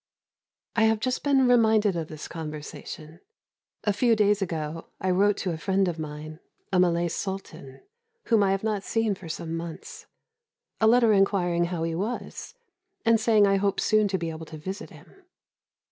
I have just been reminded of this conversation. A few days ago, I wrote to a friend of mine, a Malay Sultan, whom I have not seen for some months, a letter inquiring how he was, and saying I hoped soon to be able to visit him.